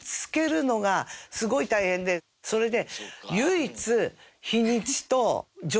それで。